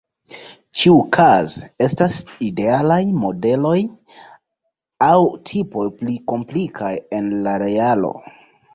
Ĉiuokaze, estas idealaj modeloj aŭ tipoj, pli komplikaj en la realo.